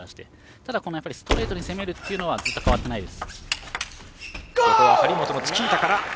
ただ、ストレートに攻めるというのは変わっていないです。